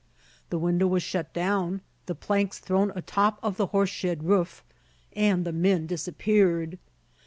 The window was shut down, the planks thrown atop of the horse shed roof, and the men disappeared.